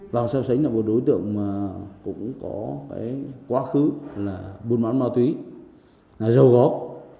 vàng xeo xánh là một đối tượng cũng có quá khứ là bùn bán ma túy rau góp